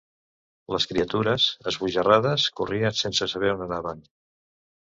Les criatures, esbojarrades, corrien sense saber on anaven.